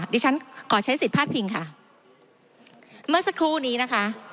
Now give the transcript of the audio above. ดิฉันขอใช้สิทธิพลาดพิงค่ะเมื่อสักครู่นี้นะคะ